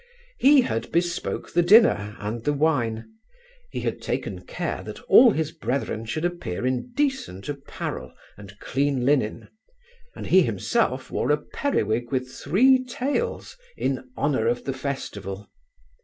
He had bespoke the dinner and the wine: he had taken care that all his brethren should appear in decent apparel and clean linen; and he himself wore a periwig with three tails in honour of the festival.